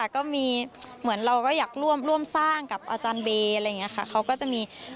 ก็หลายล้านค่ะก็มี